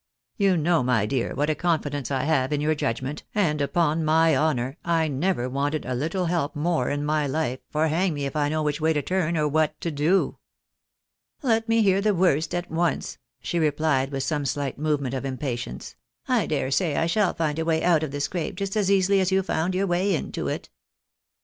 You know, my dear, what a confidence I have in your judgment, and upon my honour I never wanted a little help more in my life, for hang me if I know which way to turn, or what to do." " Let me hear the worst at once," she repUed with some slight movement of impatience ;" I dare say I shall find a way out of the scrape just as easily as you found your way into it."